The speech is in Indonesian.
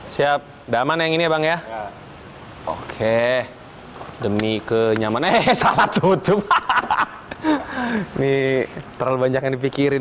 siap daman yang ini bang ya oke demi kenyaman eh salah tutup hahaha nih terlalu banyak dipikirin